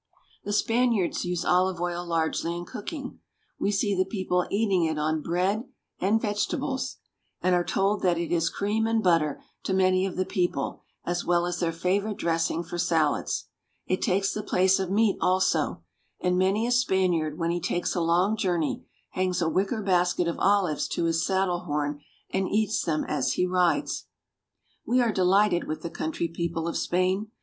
The Spaniards use olive oil largely in cooking. We see the people eating it on bread and vegetables, and are told that it is cream and butter to many of the people, as well as their favorite dressing for salads. It takes the place of meat also, and many a Spaniard, when he takes a long journey, hangs a wicker basket of olives to his saddle horn, and eats them as he rides. We are delighted with the country people of Spain.